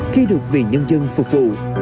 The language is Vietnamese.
khi được vị nhân dân phục vụ